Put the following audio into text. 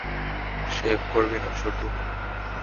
Shave করবি না, শুটু?